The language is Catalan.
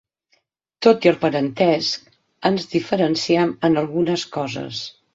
Tot i el parentesc, ens diferenciem en algunes coses.